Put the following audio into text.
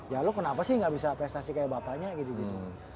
ya lo kenapa sih nggak bisa prestasi kayak bapaknya gitu gitu